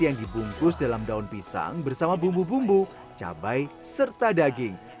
yang dibungkus dalam daun pisang bersama bumbu bumbu cabai serta daging